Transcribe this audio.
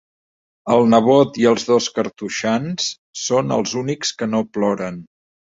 El nebot i els dos cartoixans són els únics que no ploren.